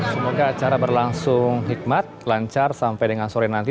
semoga acara berlangsung hikmat lancar sampai dengan sore nanti